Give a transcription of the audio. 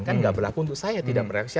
kan gak berlaku untuk saya tidak berlaku